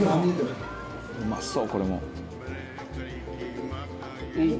「うまそうこれも」